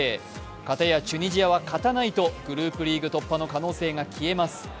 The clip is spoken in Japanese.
片やチュニジアは勝たないとグループリーグ突破の可能性が消えます。